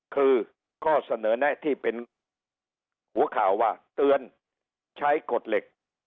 คือข้อเสนอแนะที่เป็นหัวข่าวว่าเตือนใช้กฎเหล็ก